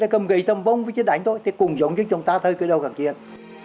cầm gầy tâm vông với chiến đánh thôi thì cùng giống với chúng ta thôi cái đâu gặp chuyện